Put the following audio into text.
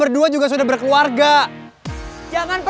dan dandru haga cakep